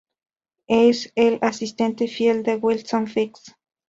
Es el asistente fiel de Wilson Fisk.